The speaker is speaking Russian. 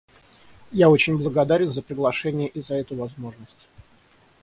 Я очень благодарен за приглашение и за эту возможность.